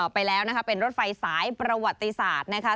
ไปแล้วเป็นรถไฟสายประวัติศาสตร์